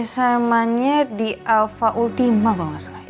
sma nya di alpha ultima kalau gak salah